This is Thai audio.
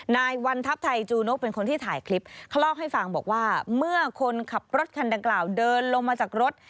นายวันทัพไทยจูนกเป็นคนที่ถ่ายคลิปเขาเล่าให้ฟังบอกว่าเมื่อคนขับรถคันดังกล่าวเดินลงมาจากรถ